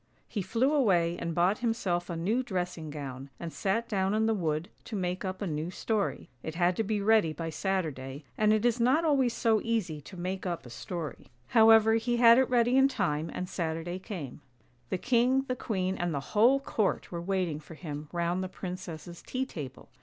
He flew away and bought himself a new dressing gown, and sat down in the wood to make up a new story; it had to be ready by Saturday, and it is not always so easy to make up a story. 28 ANDERSEN'S FAIRY TALES However he had it ready in time, and Saturday came. The king, the queen and the whole court were waiting for him round the princess's tea table.